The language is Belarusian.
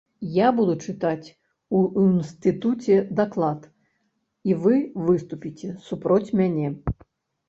Я буду чытаць у інстытуце даклад і вы выступіце супроць мяне.